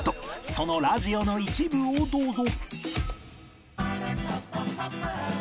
そのラジオの一部をどうぞ